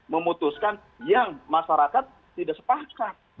memutuskan yang masyarakat tidak sepakat